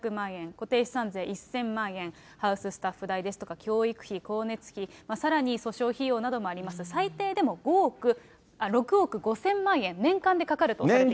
固定資産税１０００万円、ハウススタッフ代ですとか教育費、光熱費、さらに訴訟費用などもあります、最低でも６億５０００万円、年間でかかるとされています。